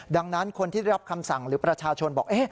ดังนั้นคนที่ได้รับคำสั่งหรือประชาชนบอก